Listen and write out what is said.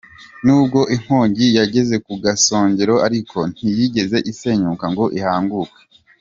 Nubwo inkongi yageze ku gasongero ariko ntiyigeze isenyuka ngo ihanguke.